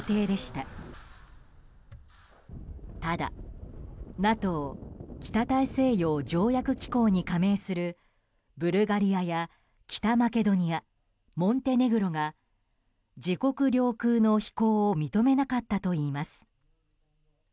ただ、ＮＡＴＯ・北大西洋条約機構に加盟するブルガリアや北マケドニアモンテネグロが自国領空の飛行を認めなかったといいます。